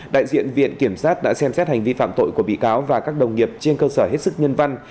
đại diện viện kiểm sát đã xem xét hành vi phạm tội của bị cáo và các đồng nghiệp trên cơ sở hết sức nhân văn